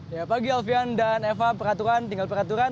ya pagi alfian dan eva peraturan tinggal peraturan